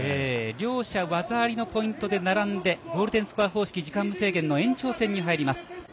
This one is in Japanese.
両者、技ありのポイントで並んでゴールデンスコア方式時間無制限の延長戦に入ります。